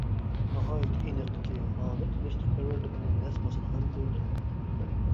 ناھايىتى ئېنىقكى، ھازىر تىنچلىقپەرۋەرلىكنى نەس باسىدىغان بولدى.